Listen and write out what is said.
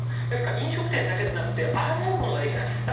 ですから飲食店だけでなくてあらゆるものができない。